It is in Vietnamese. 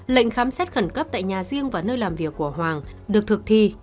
lệnh khám xét khẩn cấp tại nhà riêng và nơi làm việc của hoàng được thực thi